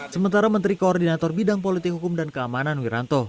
sementara menteri koordinator bidang politik hukum dan keamanan wiranto